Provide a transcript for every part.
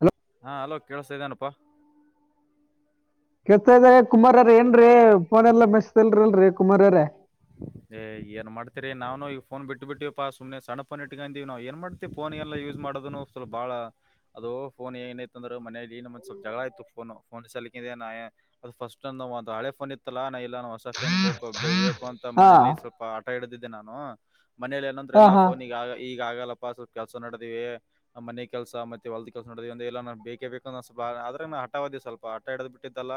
Hello ಹಾ hello ಕೇಳಸ್ತಾ ಇದೆನಪ್ಪಾ ಕೆತ್ತಲೆ ಕುಮಾರರ ಏನ್ರೀ ಫೋನ್ ಇಲ್ಲ ಮೆಸೇಜ್ ಇಲ್ಲರರ್ಲಿ ಕುಮಾರರ ಏ ಏನ ಮಾಡ್ತೀರಿ ನಾನು ಈಗ ಫೋನ ಬಿಟ್ಟಬಿಟ್ಟೀವಿ ಪಾ ಸುಮ್ನೆ ಸಣ್ಣ ಫೋನ ಇಟ್ಗಂದಿವಿ ನಾವ ಏನ ಮಾಡ್ತಿ ಫೋನ್ ಎಲ್ಲ ಯೂಸ್ ಮಾಡೋದುನು ಸ್ವಲ್ಪ ಬಾಳ ಅದು ಫೋನ್ ಏನ ಇತ್ತ ಅಂದ್ರ ಮನೇಲಿ ನಮದು ಸ್ವಲ್ಪ ಜಗಳ ಆಯಿತು ಫೋನ್ ಫೋನ್ ಸಲೀಕೇನ ಅದು ಫಸ್ಟ್ ಒಂದ ಹಳೆ ಫೋನ್ ಇತ್ತಲ್ಲ ನಾ ಎಲ್ಲನು ಹೊಸ ಪೇನ್ ಬುಕ್ ಬೇಕು ಇದೇ ಫೋನ್ ಹಾ ಮನೇಲಿ ಸ್ವಲ್ಪ ಹಠ ಇಡದಿದ್ದೆ ನಾನು ಮನೇಲಿ ಏನಂದ್ರು ಹಾ ಎಲ್ಲಾ ಹಾ ಫೋನ್ ಈಗ ಈಗ ಆಗಲ್ಲಪ್ಪ ಸ್ವಲ್ಪ ಕೆಲ್ಸ ನಡದಿವಿ ನಮ್ಮ ಮನೆ ಕೆಲಸ ಮತ್ತೆ ಹೊಲ್ದ ಕೆಲಸ ನಡೆದು ವಂದ್ರೆ ಇಲ್ಲ ನನಗ ಬೇಕೇ ಬೇಕು ಸ್ವಲ್ಪ ಆದರೂ ನಾ ಹಠವಾದಿ ಸ್ವಲ್ಪ ಹಟ ಹಿಡದ ಬಿಟ್ಟಿದ್ದಲ್ಲ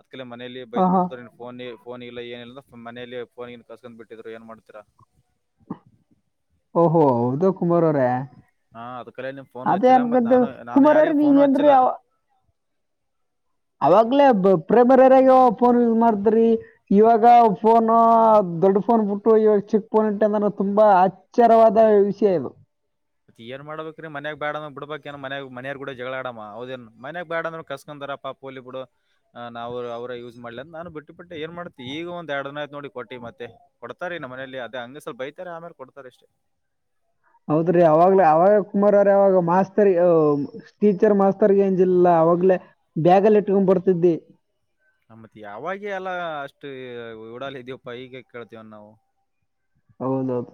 ಅದ್ಕಲೆ ಮನೇಲಿ ಹಾ ಬೈದ್ ಹಾ ಬಿಟ್ಟ ಫೋನ್ ಎ ಫೋನ್ ಇಲ್ಲ ಏನಿಲ್ಲ ಸುಮ್ ಮನೇಲಿ ಫೋನಗನ್ ಕಸ್ಕೊಂಡ್ ಬಿಟ್ಟಿದ್ರು ಏನ್ ಮಾಡ್ತೀರ ಓಹೋ ಹೌದ ಕುಮಾರ ಅವ್ರೇ ಹಾ ಅದ್ಕಲೆ ನಿಮ್ ಫೋನ್ ಅದೇ ಎತ್ತಿಲ್ಲ ಮತ್ ಅನಕೋತ್ತಿವ ನಾನು ನಾನು ಕುಮಾರ್ರೆ ಯಾರಿಗ್ ಫೋನು ನೀವ ಏನ್ರಿ ಹಚ್ಚಿಲ್ಲ ಯಾವ ಅವಾಗ್ಲೇ ಪ್ರೇಮರಾಗ ಫೋನ್ ಯೂಸ್ ಮಾಡದ್ರಿ ಇವಾಗ ಫೋನ್ ದೊಡ್ಡ ಫೋನ್ ಇವಾಗ ಚಿಕ್ ಫೋನ್ ಇಟಗಂಡಾನ ತುಂಬಾ ಆರ್ಚ್ಚರವಾದ ವಿಷಯ ಇದು ಏನ್ ಮಾಡಬೇಕ್ರೀ ಮಯಾಗ ಬೇಡಂದ್ ಬಿಡ್ಬೇಕೆನ್ ಮನ್ಯಾರ್ ಗೂಡ ಜಗಳ ಆಡಮ್ಮ ಹೌದೇಏ ಮನ್ಯಾಗ ಬೇಡಂದರು ಕಸ್ಕಂದಾರ ಪಾಪ್ ಹೋಗ್ಲಿ ಬಿಡು ನಾವು ಅವರ ಯೂಸ್ ಮಾಡ್ಲಿ ನಾನು ಬಿಟ್ಟು ಬಿ ಪಟ್ಟ ಏನ್ ಮಾಡ್ತಿ ಈಗ ಒಂದ ಎರಡ್ ದಿನ್ತ್ ನೋಡಿ ಕೊಟ್ಟ ಮತ್ತೆ ಕೊಡ್ತಾರೆ ನಮ್ಮನಲಿ ಅದ ಹಂಗೆ ಸ್ವಲ್ಪ ಬೈತಾರೆ ಆಮೇಲೆ ಕೊಡ್ತಾರೆ ಅಷ್ಟೇ ಹೌದ್ರಿ ಅವಾಗ್ಲ ಅವಾಗ ಕುಮಾರ್ ಅವ್ರ ಅವಾಗ ಮಾಸ್ತರಿ ಟೀಚರ್ ಮಾಸ್ತರ್ಗೆ ಏಂಜಿಲ್ಲಾ ಅವಾಗ್ಲೇ ಬ್ಯಾಗಲ್ಲಿ ಇಟ್ಕೊಂಡ್ ಬರ್ತಿದಿ ಆಮ್ಮತ್ ಯಾವಾಗ ಎಲ್ಲಾ ಅಷ್ಟು ಉಡಾಲ ಇದ್ಯವಪ್ಪ ಹೀಗೆ ಯಾಕ್ ಕೇಳ್ತೀವ ನಾವು ಹೌದೌಹೌದು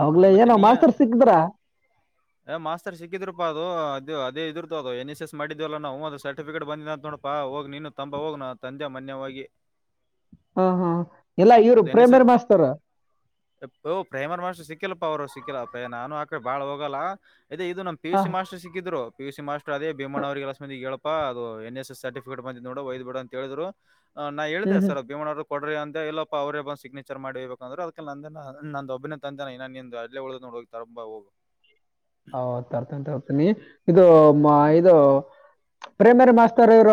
ಅವಾಗಲ ಮತ್ತೆ ಏನ ನೀ ಮಾಸ್ತರ್ ಸಿಕ್ದ್ರ ಮಾಸ್ತರ್ ಸಿಕ್ಕಿದ್ರುಪ ಅದು ಅದು ಅದೇ ಇದ್ರತ ಅದು ಎಸ್ ಎಸ್ ಮಾಡಿದ್ವಲ್ಲ ನಾವು ಅದು ಸರ್ಟಿಫಿಕೇಟ್ ಬಂದದ ಅಂತ ನೋಡ. ಪಾ ಹೋಗ್ ನೀನು ತಂಬಾ ಹೋಗ್ ನ ತಂದೆ ಮನ್ಯ ಹೊಗಿ ಹಾ ಹಾ ಎಲ್ಲಾ ಇವ್ರು ಪ್ರೈಮರ್ ಮಾಸ್ತರ್ ರ ಪ್ರೈಮರ್ ಮಾಸ್ಟರ್ ಸಿಕ್ಕಿಲ್ಲಪ್ಪಾ ಅವ್ರು ಸಿಕ್ಕಿಲ್ಲಪ್ಪಯ ನಾನು ಆಕ ಬಾಳ ಹೋಗಲ್ಲ ಇದೇ ಇದು ನಮ. ಪಿ ಯು ಹಾ ಸಿ ಮಾಸ್ಟರ್ ಸಿಕ್ಕಿದರು ಫಿ ಯು ಸಿ ಮಾಸ್ಟರ್ ಅದೇ ಬೀಮಣ್ಣ ಅವರಿಗೆವಸ ಮಂದಿಗೆ ಹೇಳ ಪಾ ಅದು ಎನ್ ಎಸ್ ಎಸ್ ಸರ್ಟಿಫಿಕೇಟ್ ಬಂದಿದ್ ನೋಡು ವೈದ್ ಬಿಡ ಅಂತ ಹೇಳಿದ್ರು ನಾ ಹೇಳಿದೆ ಹ್ಮ್ ಹ್ಮ್ ಸರ್ ಭೀಮಣ್ಣರು ಕೊಡ್ರಿ ಅಂತ ಎಲ್ಲ ಅವ್ರೇ ಬಂದು ಸಿಗ್ನೇಚರ್ ಮಾಡೇಬೇಕಂದ್ರೆ ಅದಕ ನಂದ ನೊ ಒಬ್ಬನ್ ತಂದೆ ಇನ್ನ ನಿ ಅಲ್ಲೇ ಉಳ್ದ ನೋಡಿ ತಂಬಾ ಹೋಗ ಹೌ ತರ್ತನಿತಕಲಿ ಇದು ಇದು ಪ್ರೈಮರಿ ಮಾಸ್ತರ್ ಇವರ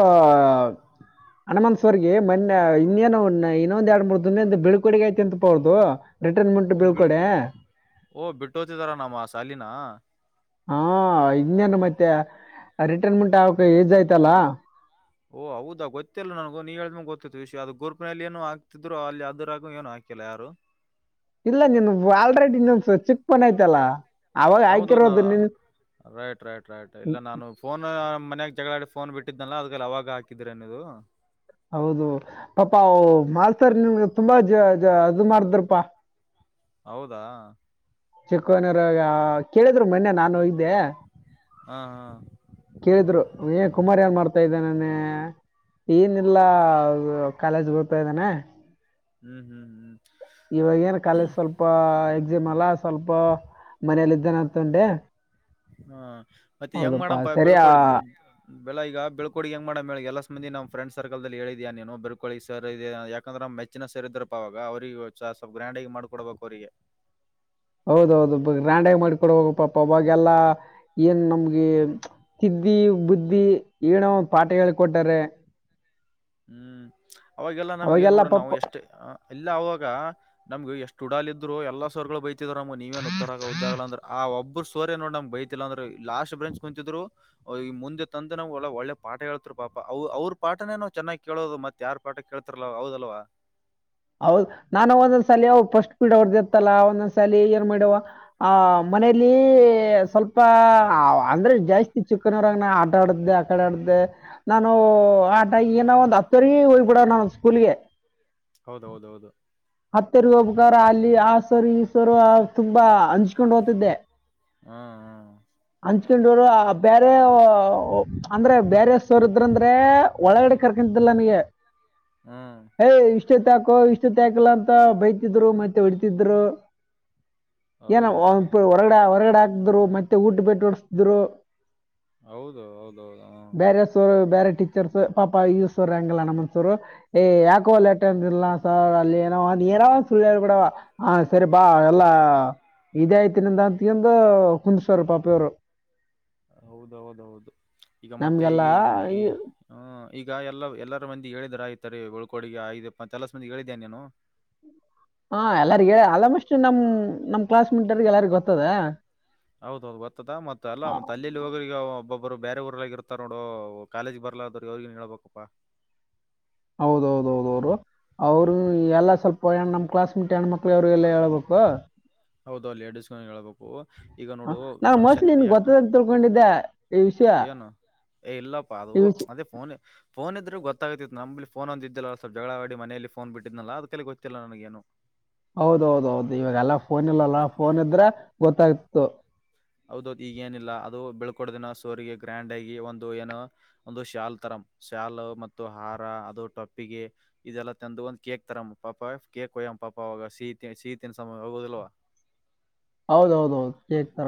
ಹಣಮನ್ ಸರ್ ಗೆ ಮೊನ್ನೆ ಇನ್ನೇನು ಇನ್ನೊಂದ ಎರಡು ಮೂರು ದಿನದ ಒಂದು ಬಿಳಕೊಡುಗೆ ಆಯತೆಂತ ಹೌದು ರಿಟರ್ನ್ಮೆಂಟ್ ಬೀಳ್ಕೊಡೆ ಓಹ್ ಬಿಟ್ಟು ಹೊತಿದಾರ ನಮ್ಮ ಸಾಲಿನ ಹಾ ಇನ್ನೇನು ಮತ್ತೆ ರಿಟೈರ್ಮೆಂಟ್ ಆಕಗ ಏಜ್ ಆಯ್ತಲ್ಲಾ ಓಹ ಹೌದಾ ಗೊತ್ತಿಲ್ಲ ನನಗ ನೀ ಹೇಳಿದ್ಮ ಗೊತ್ತತ್ತು ವಿಷಯ ಅದು ಗ್ರೂಪ್ನಲ್ಲಿ ಏನು ಹಾತಿದ್ರು ಅಲ್ಲಿ ಅದ್ರಾಗ ಏನು ಹಾಕಿಲ್ಲ ಯಾರು ಇಲ್ಲ ನೀನು ಆಲ್ರೆಡಿ ಇನ ಚಿಕ್ ಪನ್ಯ್ತಲ್ಲಾ. ಯಾವದ ನಾ ರೈಟ್ ರೈಟ್ ರೈಟ್ ಇಲ್ಲ ನಾನು. ಫೋನ್ ಮನ್ಯಾಗ ಜಗಳಾಡಿ ಫೋನ್ ಬಿಟ್ಟಿದನಲ್ಲ ಅದಲ್ಲಿ ಅವಾಗ ಹಾಕಿದೀರ ನೀದು. ಹೌದು ಪಾಪಾ ಮಾಲ್ಸರ್ ನಿಮ್ ತುಂಬಾ ಜ ಅದು ಮಾಡಿದ್ರಪಾ ಹೌದಾ ಚಿಕ್ಕವನರ ಕೇಳಿದ್ರು ಮೊನ್ನೆ ನಾನು ಹೋಗ್ದೆ ಹಾ ಹಾ ಕೇಳಿದ್ರು ಏ ಕುಮಾರ್ ಏನ್ ಮಾಡ್ತಾ ಇದಾನೆ ಏನಿಲ್ಲಾ ಕಾಲೇಜ್ ಗೋಗ್ತಾ ಇದ್ದಾನೆ. ಹ್ಮ್ ಹ್ಮ್ ಹ್ಮ್. ಇವಾಗ ಏನ್ ಕಾಲೇಜ್ ಸ್ವಲ್ಪ ಎಕ್ಸಾಮ್ ಅಲ್ಲ ಸ್ವಲ್ಪ ಮನೇೆಯಲ್ಲಿದನೆ ಅಂತೊಂಡೆ ಹಾ ಮತ್ತೆ ಹೆಂಗ್ ಮಾಡಪ ಸರಿ ಆ, ಬೆಳ್ಕೊಡಿ ಬೆಳ ಈಗ ಬೆಳ್ಕೋಡಿಗೆ ಹೆಂಗ ಮಾಡ ಮೇಳ ಎಲ್ಲ ಸಂದ ನಮ ಫ್ರೆಂಡ್ಸ್ ಸರ್ಕಲ್ ನಲ್ಲಿ ಹೇಳಿದ್ಯಾ ನೀನು ಬೆರ್ಳ್ಕಳಿ ಸರ್ ಇ ಯಾಕಂದ್ರೆ ಮ ಹೆಚ್ಚಿನ ಸೇರಿದ್ರಪ್ಪ ಅವಾಗ ಅವ್ರಿಗೆ ಸ್ವಲ್ಪ ಗ್ರ್ಯಾಂಡಗಿ ಮಾಡ್ಕೊಡ್ಬೇಕು ಅವ್ರಿಗೆ ಹೌದೌಹೌದು ಗ್ರ್ಯಾಂಡಗಿ ಮಾಡಕೊಡಬಕ್ ಪಾಪ ಅವಾಗೆಲ್ಲಾ ಏನ್ ನಮ್ಗೆ ತಿದ್ದಿ ಬುದ್ಧಿ ಏಣೋ ಒಂದ ಪಾಠ ಹೇಳಿ ಕೊಟ್ಟಾರ ಹ್ಮ್ ಅವಾಗೆಲ್ಲ ನಮ್ಗೆ ನೋಡೋಣ ನಾವು ಎಷ್ಟೇ ಎಲ್ಲ ಆವಾಗ ನಮ್ಗೆ ಎಷ್ಟ ಉಡಾಲ ಇದರು ಎಲ್ಲ ಸರ್ ಗಳು ಬೈತಿದವರಮ್ಮ ನೀವೇನ್ ಉದರ ಆ ಉದ್ದಾಗಲ್ಲ ಅ್ರ ಆ ಒಬ್ರು ಸರ್ ನೋಡೇ ನಮ್ ಬೈ ಇಲ್ಲ ಅಂದ್ರೆ ಲಾಸ್ಟ್ ಬ್ರೆಂಚ್ ಕುಂತಿದ್ರು ಈ ಮುಂದೆ ತಂದ ನಾವ್ ಒಳ್ಳ ಒಳ್ಳೆ ಪಾಠ ಹೇಳ್ತರು ಪಾಪ ಅವ ಅವ್ರ ಪಾಠನೇನ ಚೆನ್ನಾಗ್ ಕೇಳೋದು ಮತ್ತ ಯಾರ್ ಪಾಠ ಕೇಳ್ತಾರಲ ಹೌದಲ್ವಾ. ಹೌದ್ ನಾನು ಒಂದೊಂದ್ ಸಲಿ ಅವ ಫಸ್ಟ್ ಪೀಡ್ ಅವ್ರ್ದ ಇತ್ತಲಲ್ಲ ಒಂದೊಂದ್ ಸಲಿ ಏನ್ ಮಾಡ್ಯವ. ಆ ಮನೇಲಿ ಸ್ವಲ್ಪ ಅಂದ್ರೆ ಜಾಸ್ತಿ ಚುಕ್ಕ ಕ್ಕನವರಾಗ ನಾ ಆಟ ಆಡ್ದೆ ಆ ಕಡೆ ಆಡ್ದೆ ನಾನು ಆಟ ನ ಏನ ಒಂದು ಹತ್ತರಿಗೆ ಹೋಗ್ ಬಿಡ ನಾನು ಸ್ಕೂಲ್ಗೆ ಹೌದೌದೌದು ಹತ್ತೆರಿಗ ಒಬ್ಬಕಾರ ಅಲ್ಲಿ ಆ ಸರು ಈ ಸರು ತುಂಬಾ ಹಂಚ್ಕೊಂಡು ಹೋಗ್ತಿದ್ದೆ ಹಾ ಹಾ ಹಂಚ್ಕೊಂಡವರು ಬೇರೆ ಅಂದ್ರೆ ಬೇರೆಸರ ಇದ್ರಂದ್ರೆ ಒಳಗಡೆ ಕರ್ಕಂತಿಲ್ಲ ನನಗೆ ಹ್ಮ ಯ್ ಇಷ್ಟುತಕೋ ಇಷ್ಟುತಕಲ್ಲ ಅಂತ ಬೈತಿದ್ರು ಮತ್ತೆ ಹೊಡ್ತಿದ್ರು ಏನ ಹೌದಾ ಹೊರಗಡೆ ಹೊರಗಡೆ ಹಾಕ್ದ್ರು ಮತ್ತೆ ಊಟ ಬೆಟ್ಟ ಹೊಡಸಿದ್ರು ಹೌದು ಹೌದೌದು ಹ ಸರ್ ಬೇರೆ ಟೀಚರ್ಸ್ ಪಪ ಯೂ ಸರ್ಂಗಲ್ಲ ನಮನ್ ಸೋರು ಯಾಕೋಾಟಲ್ಲ ಅಲ್ಲಿ ಏನ ಏನ ಸುಳ್ಳಾರ ಕೂಡ ಹ ಸರಿ ಬಾ ಎಲ್ಲ ಇದೇ ಆಯ್ತಿನಂತ ಅತ್ಕಂದು ಹುಂದ್ಸರ್ ಪಾಪ ಯವ್ರು ಹೌದೌದ ಹೌದು ಈಗ ಮತ್ತೆ ಈಗ ನಮ್ಗೆಲ್ಲ ಈ- ಹ್ಮ ಈಗ ಎಲ್ಲ ಎಲ್ಲಾರ ಮಂದಿ ಹೇಳಿದರ ಆತಾರೆ ಒಳ್ಕೋಡಗೆ ಆಯಪ್ಪ ಎಲ ಮಂದಿ ಹೇಳಿದೇ ನೀೇನು ಹಾ ಎಲ್ಲರಿಗ ಅಲ್ಮಸ್ಟ್ ನಮ್ ನಮ್ ಕ್ಲಾಸ್ ಮೇಟ್ರ್ಗೆ ಎಲ್ಲಾರ್ಗ ಗೊತ್ತದ. ಹೌದೌದು ಗೋತ್ತದ ಮತ್ತೆ ಅಲ್ಲ ಮತ ಅಲ್ಲಿ ಹೋಗ್ರಿಗ ಒಬ್ಬೊಬ್ಬರು ಬೇರೆ ಊರಲ್ಲಾಗಿ ಇರ್ತಾರ ನೋಡು ಕಾಲೇಜ್ ಬರ್ಲಾದದ್ರರು ಅವ್ರಗನ್ ಹ ಹೇಳಬೇಕಪ್ಪಾ. ಹೌದೌದೌದ ವರು. ಅವರು ಎಲ್ಲಾ ಸ್ವಲ್ಪ ಹೆಣ ನಮ್ ಕ್ಲಾಸ್ ಮೇಟ್ ಹೆಣ್ಮಕ್ಳ ಅವರು ಎಲ್ಲ ಹೇಳ್ಬೇಕು. ಹೌದು ಲೇಡಿಸಸ್ಗಳ ಹೇಳ್ಬೇಕು. ಈಗ ಹ ನೋಡು ನಾ ಫಂಕ್ಷನ್ ಮೋಸ್ಟ್ಲಿ ನಿನ್ ಹೆಂಗ ಗೊತ್ತದಂತ ತಿಳ್ಕೊಂಡಿದ್ದೆ. ಈ ವಿಷಯ ಏನು ಏ ಇಲ್ಲಪ್ಪಾ ಅದು ಈ ವಿಷಯ ಅದೇ ಫೋನ್. ಫೋನ್ ಇದ್ರ ಗೊತ್ತಾಗತಿ ನಂಬಲ್ಲಿ ಫೋನ್ಂದ ಇದ್ದಲ್ಲ ಸ್ವಲ್ ಜಗಳವಾಡಿ ಮನೆಯಲ್ಲಿಲಿಫೋನ್ ಬಿಟ್ಟಿದ್ನಲ್ಲ ಅದಕಲ್ಲಿ ಗೊತ್ತಿಲ್ಲ ನನಗ್ ಏನು. ಹೌದೌದೌದು ಇವಾಗ ಎಲ್ಲ ಫೋನ್ ಇಲ್ಲಲ್ಲ ಫೋನ್ ಇದ್ರೆ ಗೊತ್ತಾಗಿತ್ತು. ಹೌದೌ ಈಗ ಏನಿಲ್ಲ ಅದು ಬೆಳ್ಕೊಡದಿನ ಸೋರಿಗೆ ಗ್ರ್ಯಾಂಡ್ ಆಗಿ ಒಂದು ಏನ. ಒಂದು ಶ್ಯಾಲ್ ತರ ಶ್ಯಾಲ್ ಮತ್ತು ಹಾರ ಅದು ಟೊಪ್ಪಿಗೆ. ಇದೆಲ್ಲ ತಂದು ಒಂದ್ ಕೇಕ್ ತರಮ್ಮ ಪಾಪ ಕೇಕ್ ಒಯ್ಯಮ್ ಪಾಪ ಅವಾಗ ಸೀತಿ ಸಹೀತಿನ ಸಮಯ ಹೋಗೋದಲ್ವ. ಹೌದ ಹೌದೌದು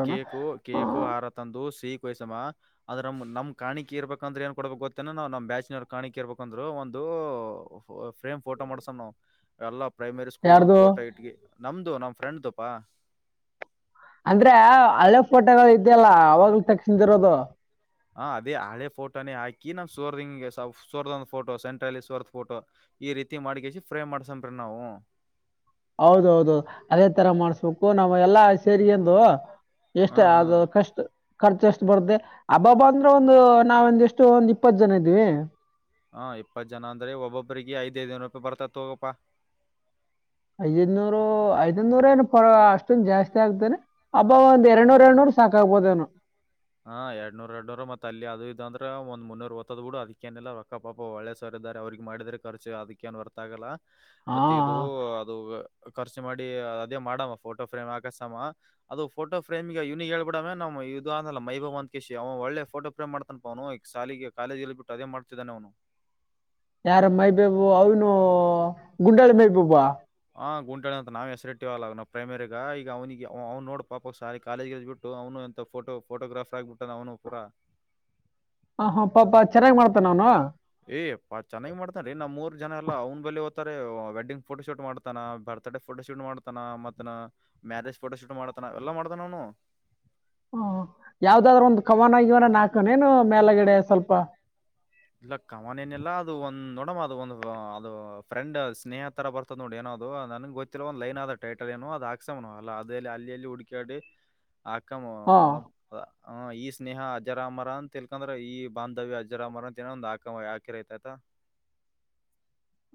ಕೇಕೋ ಕೇಕೋ ಆಾರ ತಂದು ಸಿೀ ಕೊಹಸಮ್ಮ ಆದದ್ರ ನಮ್ ನಮ್ ಕಾಣಿಕೆ ಇರ್ಬೇಕಂದ್ರೆ ಏನ್ ಕೊಡ್ಬೇಕು ಗೊತ್ತೇನ ನವು ನ್ ಬ್ಯಾಚನವರ್ ಕಾಣಿಕೆ ಇರ್ಬೇಕಂದ್ರು ಒಂದು ಫ್ [unintelligible] ಫ್ರೇಮ್ ಫೋಟೋ ಮಾಡ್ಸಣ್ ನಾವು ಎಲ್ಲ ಪ್ರೈಮರಿ ಸ್ಕೂಲ್ದ ಒಂದು ಯಾರ್ದು ಫೋಟೋ ಇಟ್ಿ ನಮ್ದ ನಮ್ಮ ಫ್ರೆಂಡ್್ದುಪ್ಪಾ ಅಂದ್ರೆ ಹಳ ಹಳೇ ಪೋಟೋಗಳು ಇದ್ಯಲ್ಲ ಅವಾಗ್ಲ ತಕ್ಷಿಂದಿ ಇರೋದು. ಹ ಅದೇ ಹಳೆ ಫೋಟೋನ ಹಾಕಿ ಸೋರ್ ಹಿಂಗೆ ಸೋರ್ದ ಒಂದ್ ಫೋಟೋ ಸೆಂಟ್ರಅಲ್ಲಿ ಸೋರ್ದ ಫೋಟೋ. ಈ ರೀತಿ ಮಾಡಿಕಸಿ ಫ್ರೇಮ್ ಮಾಡಸಂಬ್ರಿ ನಾವು. ಹೌದೌದು ಅದೇ ತರ ಮಾಡ್ಸ್ಬೇಕು ನಾವ್ ಎಲ್ಲಾ ಆಸೆರಿಗೆಂಡು. ಹಾ ಎಷ್ಟೇ ಹಾ ಆದ ಕಷ್ಟ. ಖರ್ಚು ಎಷ್ಟು ಬರುತ್ತೆ ಹಬ್ಬಬ್ಬ ಅಂದ್ರೆ ಒಂದು ನಾವ ಒಂದ ಎಷ್ಟು ಒಂದ್ ಇಪ್ಪತ್ತು ಜನ ಇದ್ದೀವಿ. ಹಾ ಇಪ್ಪತ್ತು ಜನ ಅಂದ್ರೆ ಒಬ್ಬಬ್ಬ್ರರಿಗೆ ಐದೈದನರು ರೂಪಾಯಿ ಬರ್ತೈತ್ ತೊಗೋಪ. ಐದದ್ನೂರು ಐದ ನೂರ ಏನು ಪರ ಅಷ್ಟನ್ ಜಾಸ್ತಿ ಆಗ್ತೇನೆ. ಅಬ್ಬ ಒಂದ ಎರಡುನೂರ್ ಎರಡ್ನೂರು ಸಾಕಾಗಬೋದನು. ಹ ಎಡ್ಡುೂರ್ ಎರಡ್ನೂರ್ ಮತ್ ಅದು ಇದ ಅಂದ್ರೆಂದ ಮುನ್ನೂರ್ಓತ್ತದ್ ಬಿಡ ಅದಕ್ಕೇಏಲ್ಲ ರೊಕ್ಕ. ಪಾಪ ಒಳ್ಳೆ ಸರ್ ಇದಾರೆ ಅವ್ರಿಗೆ ಮಾಡಿದ್ರ ಖರ್ಚು ಅದಕ್ಕ ಏನ್ ಹೊರ್ತ ಆಗಲ್ಲ ಮತ್ತೆ ಇದು ಹಾ ಅದು. ಖರ್ಚು ಮಾಡಿ ಅದೇ ಮಾಡಮ್ಮ ಫೋಟೋ ಫ್ರೇಮ್ ಹಾಕಸಮ್ಮ. ಅದು ಫೋಟೋಫ್ರೇಮ್ಗೆ ಇವ್ಗೆ ಹೇಳ್ಬಿಡ ಮ ನವು ಇದು. ಮೈಬ ಅಂತ ಕೇಶಿ ಅವ ಒಳ್ಳೆಫೋಟೋಫ್ರೇಮ್ ಮಾಡ್ತಾನಪ ಅವನು ಈಗ್ಸಲಿಗೆ ಕಾಲೇಜ ಎಲ್ಲಿ ಬಿಟ್ಟ ಅದೇ ಮಾಡ್ತಿದ್ದಾನ ಅವನು. ಯಾರ ಮೈಬೇಬು ಅವನು ಗುಂಡಾಳಿ ಮೈಬೇಬ ಆಂ ಗುಂಟನೆ ಅಂತ ನಾವೆ ಹೆಸ್ರ್ ಇಟ್ಟಿವಲ್ಲ ನಾವ್ ಪ್ರೈಮರಿಗ ಈಗ ಅವ್ನಿಗೆ ಅವ್ ನೋಡ್ ಪಾಪ ಸಾಲ ಕಾಲೇಜಗ್ಬಟ್ ಟು ಅವ್ನು ಎಂತ ಫೋಟೋ ಫೋಟೋಗ್ರಾಫ್ ಆಗ್ಬಿಟ್ಟಾನ್ ಅವ್ನು ಪೂರ. ಹ ಹಾ ಪಾಪ ಚೆನ್ನಾಗ್ ಮಾಡ್ತಾನ ಅವ್ನು. ಏ ಪ ಚನ್ನಾಗಿ ಮಾಡ್ತಾನ್ ರೀ ನಮ್ಮ್ ಊರ್ ಜನ ಎಲ್ಲ ಅವ್ನ್ ಬಳ ಓತಾರೆ ವೆಡ್ಡಿಂಗ್ಫೋಟೋ ಶೂಟ್ ಮಾಡ್ ತಾನ ಬರ್ತ್ಡೇ ಫೋಟೋ ಶೂಟ್ ಮಾಡ್ತಾನ ಮತ್ನ ಮ್ಯಾರೇಜ್ ಫೋಟೋ ಶೂಟ್ ಮಾಡ್ತಾನ ಎಲ್ಲಾ ಮಾಡ್ತಾನ ಅವ್ನು. ಹ ಯಾವ್ದಾದ್ರು ಒಂದ್ ಕವನಗಿವನ ನಾಕನೇನು ಮ್ಯಾಲಗಡೆ ಸ್ವಲ್ಪ. ಇಲ್ಲ ಕವನೆನಿಲ್ಲಾ ಅದು ಒಂದ್ ನೋಡಮ್ಮ ಅದು ಒಂದು ಅದು ಫ್ರೆಂಡ್ ಸ್ನೇಹದ್ ತರ ಬರ್ತದ್ ನೋಡ್ ಏನೋ ಅದು ನನಗ್ ಗೊತ್ತಿಲ್ಲ ಒಂದು ಲೈನ್ ಆದ ಟೈಟಲ್ ಏನು ಅದು ಹಾಕ್ಸ ಅಲ್ಲಿ ಇಲ್ಲಿ ಹುಡಕ್ಯಡಿ. ಹಕಮ್ಮು ಹಾಂ ಒಣ. ಈ ಸ್ನೇಹ ಅಜರಾಮರ ಅಂತ ತಿಳ್ಕಂದ್ರೆ ಈ ಬಾಂಧವ್ಯ ಅಜರಾಮರ. ಜನ ಒಂದ್ ಆಕ್ ಯಾಕಿರಿ ಐತ್ ಆತಾ.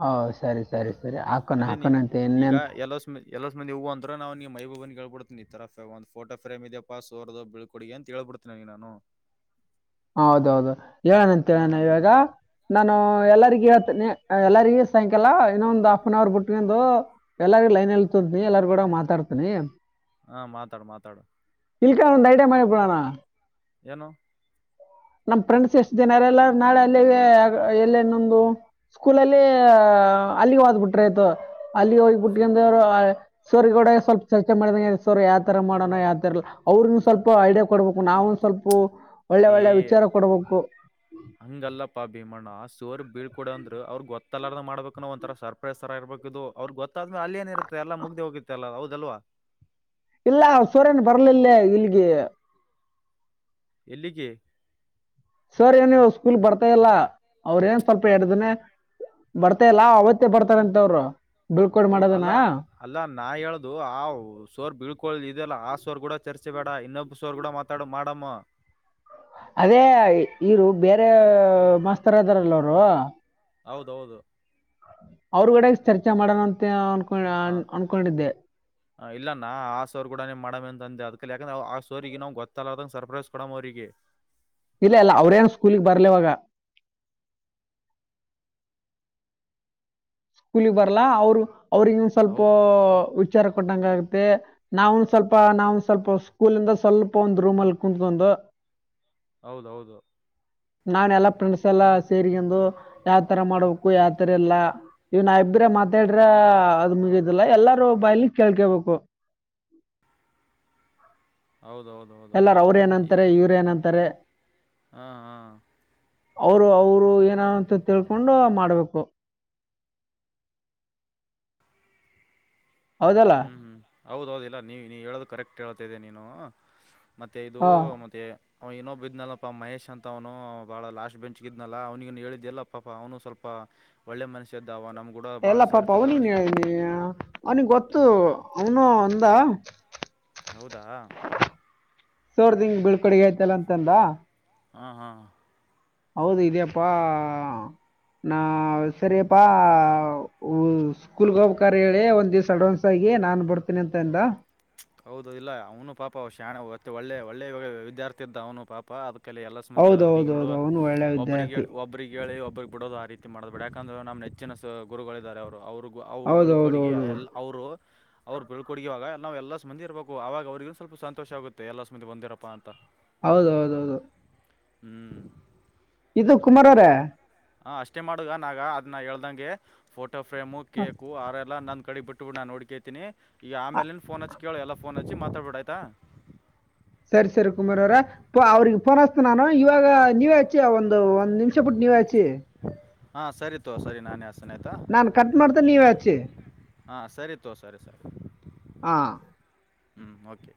ಹೌ ಸರಿ ಸರಿ ಸರಿ ಆ ಅದೇ ನೀ ಈಗ ಎಲ್ಲೋಸ್ ಹ್ಮ್ ಎಲ್ಲಸ್ ಮಂದಿ ಹು ಅಂದ್ರ ನಾವ್ ನಿಮ್ ಮೈಬು ಬನ್ ಕೇಳ್ಕೊಡ್ತಿನಿ ಈ ತರ ಫೆ ಒಂದ್ ಫೋಟೊ ಫ್ರಮ್ ಇದೆ ಪ ಸೋರ್ದು ಬಿಳ್ಕ ಕೊಡಿ ಅಂತೇಳ್ಬಡ್ತ್ ಐನ್ ನಾನು. ಹೌದೌದು ಹೇಳ ನಂತೆನ ಹ್ಮ್ ಇವಾಗ. ನಾನು ಎಲ್ಲರಿಗ್ ಹೆತೀನಿ ಎಲ್ಲರಿಗ್ ಸಾಯಂಕಾಲ ಇನ್ನೊಂದ್ ಆಫ್ ಅನ್ ಅವರ್ ಬಿಟ್ಕಂದು. ಎಲ್ಲಾರು ಲೈನ್ ಎಲ್ಲಿ ತೊಂತನಿ ಎಲ್ಲಾರ್ ಕೂಡ ಮಾತಾಡ್ತನಿ. ಹಾ ಮಾತಾಡು ಮಾತಾಡು. ಇಲ್ಕಾ ಒಂದ್ ಐಡಿಯಾ ಮಾಡಿ ಬಿಡಣ. ಏನು ನಮ್ ಫ್ರೆಂಡ್ಸ್ ಎಷ್ಟ ದಿನ ಇರಲ್ಲ ನಾಳೆ ಅಲ್ಲಿಗೆ ಎಲ್ಲೆ ಇನ್ನೊಂದು. ಸ್ಕೂಲಲ್ಲಿ ಅಲ್ಲಿಗ್ ಹೋದ್ಬಿಟ್ರ ಆಯ್ತು ಅಲ್ಲಿ ಸು ಹೋಗಿಬಿಟ್ಕಂದೋರು. ಸರಿ ಗೋಡೆ ಸ್ವಲ್ಪ ಚರ್ಚೆ ಮಾಡಿದಂಗ ಸೋರ್ ಯಾವ್ ತರ ಮಾಡೋಣ ಯಾವ್ ತರಲ್. ಅವ್ರನ್ನು ಸ್ವಲ್ಪ ಐಡಿಯಾ ಕೊಡ್ಬೇಕು ನಾವನ್ ಸ್ವಲ್ಪು. ಏ ಹಂಗಲ್ಲಪ್ಪಾ ಭೀಮಣ್ಣ ಸೊರ್ ಬೀಳ್ಕೊಡ ಅಂದ್ರ ಅವ್ರಗ್ ಗೊತ್ತಲ್ಲಾರದ ಮಾಡ್ಬೇಕ್ನ ಒಂಥರ ಸರ್ಪ್ ಸರ್ಪ್ರೈಸ್ತರ ಇರಬೇಕು ಇದು ಅವ್ರರು ಗೊತ್ತಾದ್ಮೇಲೆ ಅಲಿನ್ ಇರುತ್ ಎಲ್ಲ ಮುಗ್ದ ಹೋಗುತ್ತೆ ಅಲ್ಲ ಹೌದಲ್ವಾ. ಇಲ್ಲ ಸೊರ್ ಎನ್ ಬರ್ಲಿಲ್ಲೇ ಇಲ್ಗೆ. ಎಲ್ಲಿಗೆ. ಸರ್ ಏನ್ ನೀವ್ ಸ್ಕೂಲ್ ಬರ್ತಾ ಇಲ್ಲ ಅವ್ರ ಏನ್ ಸ್ವಲ್ಪ ಬರ್ತ್ ಎಡ್ದನೆ. ಬರ್ತಾಯಿಲ್ಲ ಅವತ್ತೇ ಬರ್ತಾರಂತ ಅವ್ರು. ಹೌದ್ ಅಲ್ಲ. ಅಲ್ಲಾ ನಾ ಹೇಳ್ದು ಆ ಸೋರ್ ಬೀಳ್ಕೊ ಇದಲ್ಲ ಆ ಸೋರ್ ಕೂಡ ಚರ್ಚೆ ಬೇಡ ಇನ್ನೊಬ್ಬ ಸೋರ್ ಕೂಡ ಮತ್ ತಡ್ ಮಾಡಮ್ಮ. ಅದೇ ಇರು ಬೇರೆ ಮಾಸ್ತರ್ ಅದಾರಲ್ಲ ಅವ್ರು. ಹೌದೌದು. ಅವ್ರಗಡೆ ಚರ್ಚೆ ಮಾಡೋಣ ಅಂತ ಅನ್ಕೊಂಡ ಅನ್ಕೊಂಡಿದ್ದೆ. ಇಲ್ಲ ನಾ ಆ ಸರ್ ಕೂಡ ಮಾಡಮ್ ಅಂದ ಅದ್ಕಲ್ಲಿ ಯಾಕಂದ್ರ ಆ ಸರ್ಗೆ ನಿನ್ನ ಗೊತ್ತಲ್ಲದಂಗ್ ಸರ್ಪ್ರೈಸ್ ಕೊಡಮ್ ಅವ್ರರಿಗೆ. ಇಲ್ಲ ಇಲ್ಲ ಅವ್ರೇನ್ ಸ್ಕೂಲಗೇ ಬರ್ಲಿವಾಗ. ಸ್ಕೂಲಿಗೆ ಬರ್ಲ್ಲಾ ಅವ್ರ್ ಅವ್ರು ಅವ್ರಿಗನ್ ಸ್ವಲ್ಪ ಹೌದು ವಿಚಾರ ಕೊಟ್ಟಂಗತ್ತೆ. ನಾವುನ್ ಸ್ವಲ್ಪ ನಾವೊಂದ್ ಸ್ವಲ್ಪ ಸ್ಕೂಲಿಂದ ಸ್ವಲ್ಪ ಒಂದ್ ರೂಮ್ ಅಲ್ ಕುಂತ್ಕೊಂಡು. ಹೌದೌದು ನಾನ್ ಎಲ್ಲ ಫ್ರೆಂಡ್ಸ್ ಎಲ್ಲ ಸೇರಿಕಂದು ಯಾವ್ತರ ಮಾಡ್ಬೇಕು ಯಾವ್ತರ ಎಲ್ಲ. ಇವ್ನ ಇಬ್ಬ್ರ ಮಾತಾಡ್ರ ಅದ್ ಮುಗಿದಿಲ್ಲಾ ಎಲ್ಲಾರೂ ಬಾಯಲ್ಲಿ ಕೇಳ್ಕೇಬೇಕು. ಹೌದೌದು ಎಲ್ಲಾರ ಅವ್ರ ಏನಂತಾರೆ ಇವ್ರ ಏನಂತಾರೆ ಹ ಹಾ ಅವರು ಅವರು ಏನಂತ ತಿಳ್ಕೊಂಡು ಮಾಡ್ಬೇಕು ಹೌದಲ್ಲ ಹ್ಮ್ ಹ್ಮ್ ಹೌದೌದಿಲ್ಲ ನೀ ನೀ ಹೇಳೋದು ಕರೆಕ್ಟ್ ಹೇಳ್ತೇ ನೀನು ಮತ್ತೆ ಇದು ಹಾ ಮತ್ತೆ ಅವನು ಇನ್ನೊಬ್ಬ ಇದ್ನಲ್ಲಪ್ಪಾ ಮಹೇಶ್ ಅಂತ ಅವನು ಭಾಳ ಲಾಸ್್ಟಟ್ ಬೆಂಚ್ಗಿದ್ನಲ್ಲ ಅವ್ನಿನು ಹೇಳಿದ್ದೆಲ್ಲಪ್ಪಾಪಾ ಅವನು ಸ್ವಲ್ಪ ಒಳ್ಳೆ ಮನುಷಸ್ಯ ಇದ್ದಾವ ನಮ್ ಎಲ್ಲ ಪಾಪ ಅವನನ್ ಹೇಳನಿ ಅವನಿಿಗೆ ಗೊತ್ತು ಅವನು ಒಂದ ಹೌದಾ ಸೋರ್ದಿಂಗ ಬೀಳ್ಕಡುಗೆ ಆಯ್ತಲ್ಲ ಅಂತಂದ ಹಾ ಹಾ ಹೌದು ಇಯಪ್ಪಾ ನಾ ಸರಿಪ್ಪಾ ಹ ಹೂ ಕುಲ್ಗೋಬಕಾರ್ ಹೇಳಿ ಒಂದ್ ದಿವ್ಸ ಅಡ್ವಾನ್ಸ್ ಆಗಿ ನಾನನ್ ಬರ್ತೀನಿ ಅಂತಂದ ಹೌದು ಇಲ್ಲ ಅವನು ಪಾಪ ಶಾಣೆತ್ತೆ ಒಳ್ಳೆ ಒಳ್ಳೆ ಇವಾಗ ವಿದ್ಯಾರ್ಥಿ ಇದ್ದ ಅವನು ಪಾಪ ಪಾ ಅದಕಲ್ಲಿ ಎಲ್ಲಾ ಸಂಬಂಿಗಳು ಹೌದು ಅವ ಈಗ ಹೌದು ಹೌದು ನೋಡುವ ಅವನು ಒಳ್ಳೆ ಒಬ್ಬ್ರಿಗೆಿ ವಿದ್ಯಾರ್ಥಿ ಒಬ್ರಿಗೆ ಹೇಳಿ ಒಬ್ಬ್ರಿಗೆ ಬಿಡೋದ ರೀತಿ ಮಾಡ್ಬೇಡ ಯಾಕಂದ್ರೆ ನಮ್ಮ್ ನೆಚ್ಚಿನ ಗುರುಗಳಿದ್ದಾರೆ ಅವರು ಅವ್ರರು ಅವ್ರು ಹೌದು ಬೆಳ್ಕ ಹೌದು ಹಡುಿಗೆ ಹೌದು ಎಲ್ಲ ಅವರು ಅವ್ರು ಬೆಳ್ಕೊಡುಗೆಿವಾಗ ನಾವು ಎಲ್ಲಾ ಮಂದಿರ್ಬೇಕು ಅವಾಗ ಅವ್ರಗೂ ಸ್ವಲ್ಪ ಸಂತೋಷ ಆಗುತ್ತೆ ಎಲ್ಲಾ ಮಂದಿಂದಿರಾ ಅಂತ ಹೌದೌದೌದು ಹ್ಮ್. ಇದು ಕುಮಾರ್ ಅವರ. ಹ ಅಷ್ಟೇ ಮಾಡುವ ನಾಗ ಅದನ್ನ ಹೇಳ್ದಂಗೆ photo frame cake R R. ಎಲ್ಲ ನಂದ ಕಡೆ ಬಿಟ್ಟಬ ಬಿು ನುೋಡ್ಕೇತೀಿ ಈಗ ಅ, ಆಮೇಲೆ ಫೋನ್ ಹಚ್ಿ ಕೇಳ ಎ ಫೋನ್ ಹಚ್ಚಿ ಮಾತಾಬಡ ಆಯತಾ ಸರಿ ಸರಿ ಕುಮಾರ್ ಅವ್ರ ಅವ್ರಿಗೆ ಫೋನ್ ಹಸ್ತ ನಾನು ಇವಾಗ ನೀವೇ ಆ ಒಂದು ಒಂದ್ ನಿಮಿಷ ಪ ಬಿಟ್ಟು ನೀವ ಆಚಿ ಹಾ ಸರಿತೋ ಸರಿ ನಾನೇಸನ ಅಸ್ತೀನಿ ಆಾಯ್ತಾ ನಾನ್ ಕಟ್ ಮಾಡ್ತ ನೀವ ಹಚ್ಚಿ ಹಾ ಸರಿ ತೋ ಸರಿ ಸರಿ ಹಾ ಹ್ಞೂ ಓಕೆ